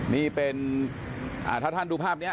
นี่เป็นถ้าท่านดูภาพนี้